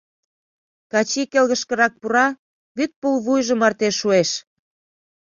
Качий келгышкырак пура, вӱд пулвуйжо марте шуэш.